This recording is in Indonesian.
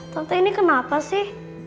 tante ini kenapa sih